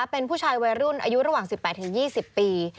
เป็นผู้ชายวัยรุ่นอายุระหว่าง๑๘๒๐ปี